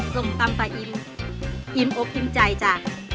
ส้มตำปลายอินอินโอบทิมใจจ้ะ